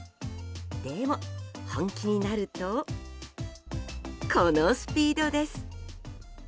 でも、本気になるとこのスピードです。